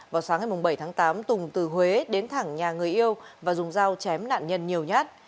vào sáng ngày bảy tháng tám tùng từ huế đến thẳng nhà người yêu và dùng dao chém nạn nhân nhiều nhát